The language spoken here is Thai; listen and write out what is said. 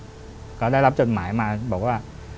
เขาได้รับจดหมายมาบอกว่า